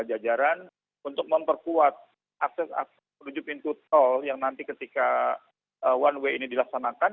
ajaran untuk memperkuat akses tujuh pintu tol yang nanti ketika one way ini dilaksanakan